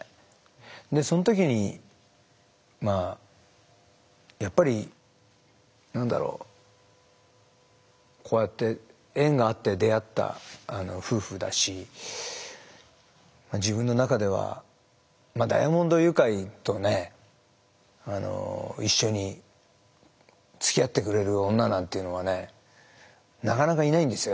でその時にまあやっぱり何だろうこうやって縁があって出会った夫婦だし自分の中ではダイアモンドユカイとね一緒につきあってくれる女なんていうのはねなかなかいないんですよ